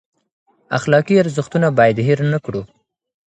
اخلاقي ارزښتونه باید هیر نه کړو.